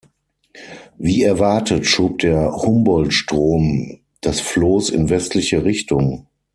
Wie erwartet, schob der Humboldtstrom das Floß in westliche Richtung.